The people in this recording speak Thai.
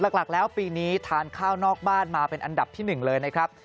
หลักแล้วปีนี้ทานข้าวนอกบ้านมาเป็นอันดับที่๑เลยนะครับ